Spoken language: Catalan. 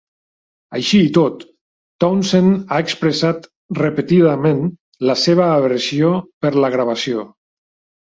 Així i tot, Townsend ha expressat repetidament la seva aversió per la gravació.